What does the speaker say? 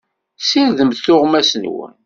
Ssirdem tuɣmas-nwen.